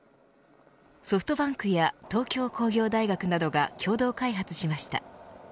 ソフトバンクや東京工業大学などが共同開発しました。